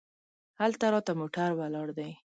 هلته راته موټر ولاړ دی.